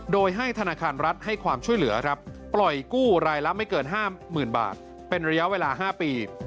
โดยให้ธนาคารรัฐให้ความช่วยเหลือครับปล่อยกู้รายละไม่เกิน๕๐๐๐บาทเป็นระยะเวลา๕ปี